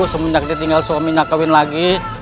semudah dia tinggal suaminya kewin lagi